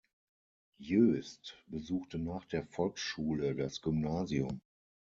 Jöst besuchte nach der Volksschule das Gymnasium.